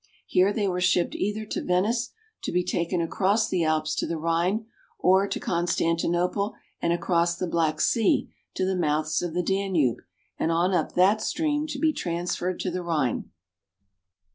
Here they were shipped either to Venice, tc be taken across the Alps to the Rhine, or to Constantinople and CARP. EUROPE — 17 2?2 THE UPPER DANUBE. across the Black Sea to the mouths of the Danube, and on up that stream to be transferred to the Rhine.